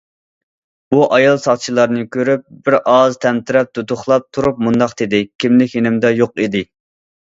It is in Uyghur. بۇ ئايال ساقچىلارنى كۆرۈپ، بىرئاز تەمتىرەپ، دۇدۇقلاپ تۇرۇپ مۇنداق دېدى:« كىملىك يېنىمدا يوق ئىدى».